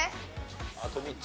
あと３つ。